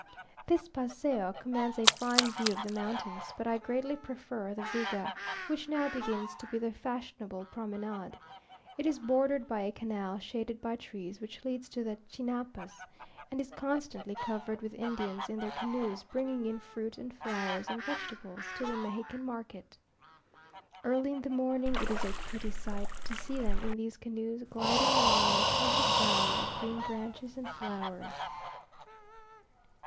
This Paseo commands a fine view of the mountains, but I greatly prefer the Viga, which now begins to be the fashionable promenade. It is bordered by a canal shaded by trees, which leads to the Chinampas, and is constantly covered with Indians in their canoes bringing in fruit and flowers and vegetables to the Mexican market. Early in the morning it is a pretty sight to see them in these canoes gliding along in a perfect bower of green branches and flowers.